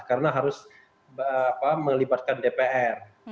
karena harus melibatkan dpr